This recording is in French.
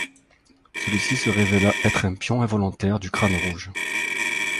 Celui-ci se révéla être un pion involontaire du Crâne Rouge.